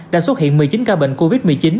đã xuất hiện một mươi chín ca bệnh covid một mươi chín